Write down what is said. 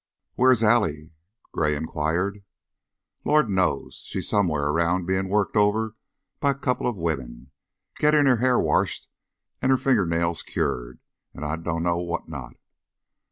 "Where is Allie?" Gray inquired. "Lord knows! She's som'eres around bein' worked over by a couple of women. Gettin' her hair washed an' her finger nails cured an' I dunno what not.